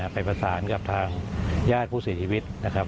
ไปประสานกับทางญาติผู้เสียชีวิตนะครับ